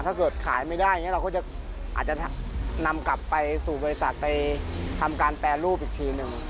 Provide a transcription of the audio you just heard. ถ้าเกิดขายไม่ได้อย่างนี้เราก็จะอาจจะนำกลับไปสู่บริษัทไปทำการแปรรูปอีกทีหนึ่ง